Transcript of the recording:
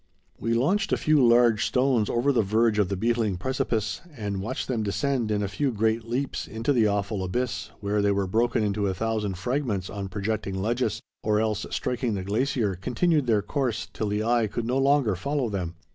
We launched a few large stones over the verge of the beetling precipice, and watched them descend in a few great leaps into the awful abyss, where they were broken into a thousand fragments on projecting ledges, or else, striking the glacier, continued their course till the eye could no longer follow them.